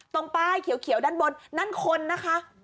ป้ายเขียวด้านบนนั่นคนนะคะ